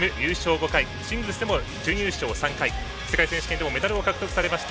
５回シングルスでも準優勝３回、世界選手権でもメダルを獲得されました。